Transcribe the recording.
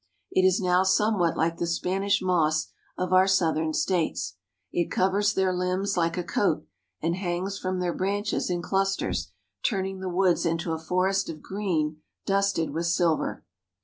It is now somewhat like the Spanish moss of our southern states. It covers their Hmbs like a coat, and hangs from their branches in clusters, turn ing the woods into a forest of green dusted with silver.